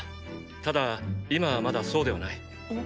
ただ今はまだそうではない。？